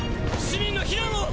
市民の避難を！